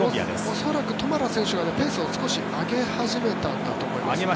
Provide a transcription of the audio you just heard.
恐らくトマラ選手がペースを少し上げ始めたんだと思います。